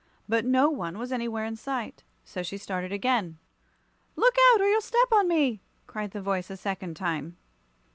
But no one was anywhere in sight. So she started on again. "Look out, or you'll step on me!" cried the voice a second time.